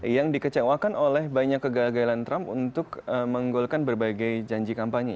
yang dikecewakan oleh banyak kegagalan trump untuk menggolkan berbagai janji kampanye